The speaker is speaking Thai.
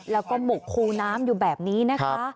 แล้วก็หมกคูน้ำอยู่แบบนี้นะคะ